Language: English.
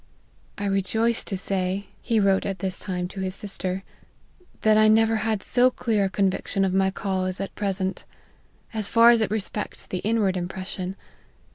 " I rejoice to say," (he wrote at 46 LIFE OF HENRY MARTYN. this time to his sister,) "that I never had so clear a conviction of my call as at present, as fat as it respects the inward impression.